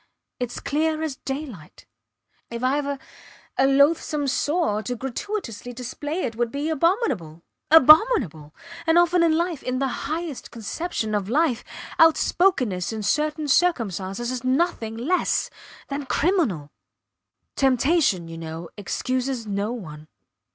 Its clear as daylight. If Ive a a loathsome sore, to gratuitously display it would be abominable abominable! And often in life in the highest conception of life outspokenness in certain circumstances is nothing less than criminal. Temptation, you know, excuses no one.